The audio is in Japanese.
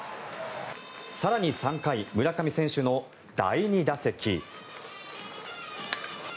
更に、３回村上選手の第２打席。